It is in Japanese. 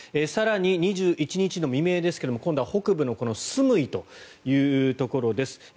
更に２１日の未明ですが、今度は北部のスムイというところです。